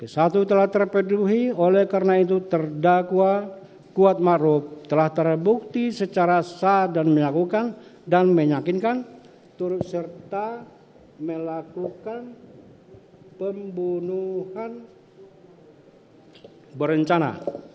satu telah terpeduhi oleh karena itu terdakwa kuat marub telah terbukti secara sah dan menyakinkan turut serta melakukan pembunuhan berencana